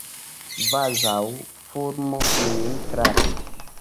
Kvazaŭ fulmo min trafis.